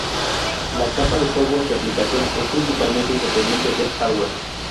La capa de software de la aplicación es principalmente independiente del hardware.